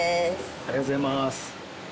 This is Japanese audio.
ありがとうございます。